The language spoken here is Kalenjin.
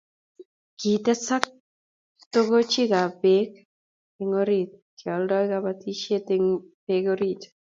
Kitesak togochikab Bek eng orit keoldoi kabatisiet eng beek orit